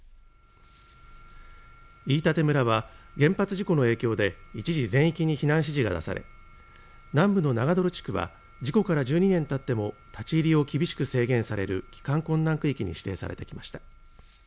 飯舘村は原発事故の影響で一時全域に避難指示が出され南部の長泥地区は事故から１２年たっても立ち入りを厳しく制限される帰還困難区域に指定されてきました。